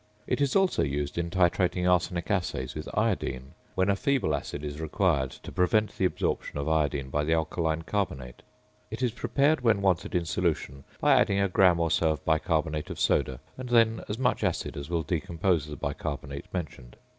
It is also used in titrating arsenic assays with "iodine" when a feeble acid is required to prevent the absorption of iodine by the alkaline carbonate. It is prepared when wanted in solution, by adding a gram or so of bicarbonate of soda and then as much acid as will decompose the bicarbonate mentioned.